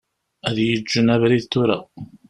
Ad yi-ğğen abrid tura.